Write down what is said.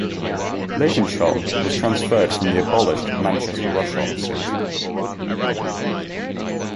Levenshulme was transferred from the abolished Manchester Rusholme seat.